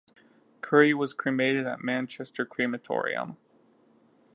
Curry was cremated at Manchester Crematorium.